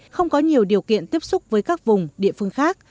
không có nhiều điều kiện tiếp xúc với các vùng địa phương khác